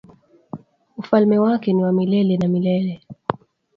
Ufalme wake ni wa milele na milele.